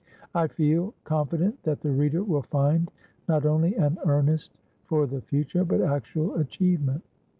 I feel confident that the reader will find not only an earnest for the future, but actual achievement.